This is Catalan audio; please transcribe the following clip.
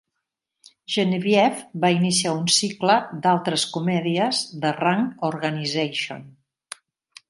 "Genevieve" va iniciar un cicle d'altres comèdies de Rank Organization.